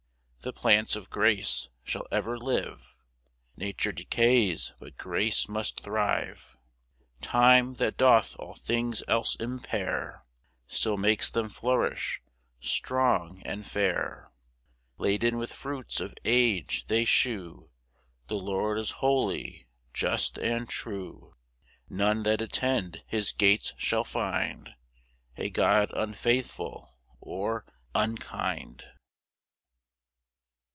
3 The plants of grace shall ever live; (Nature decays but grace must thrive) Time, that doth all things else impair, Still makes them flourish strong and fair. 4 Laden with fruits of age, they shew The Lord is holy, just, and true; None that attend his gates shall find A God unfaithful or unkind.